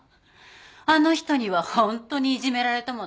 あの人には本当にいじめられたもの。